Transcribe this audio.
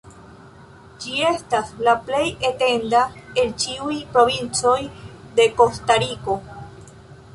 Ĝi estas la plej etenda el ĉiuj provincoj de Kostariko.